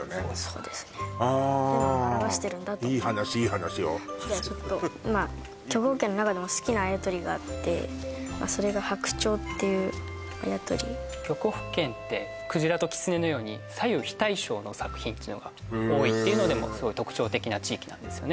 そういうのを表してるんだといい話いい話よじゃあちょっと極北圏の中でも好きなあやとりがあってそれがっていうあやとり極北圏って鯨と狐のように左右非対称の作品っていうのが多いっていうのでもすごい特徴的な地域なんですよね